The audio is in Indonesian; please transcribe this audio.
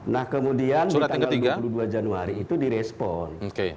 nah kemudian di tanggal dua puluh dua januari itu direspon